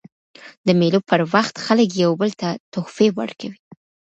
د مېلو پر وخت خلک یو بل ته تحفې ورکوي.